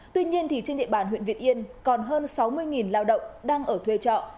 tuy nhiên trên địa bàn huyện việt yên còn hơn sáu mươi lao động đang ở thuê trọ